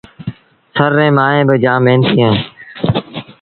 ٿر ريٚݩ مائيٚݩ جآم مهنتيٚ اهيݩ